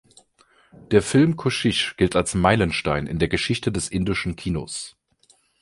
Der Film Koshish gilt als Meilenstein in der Geschichte des indischen Kinos.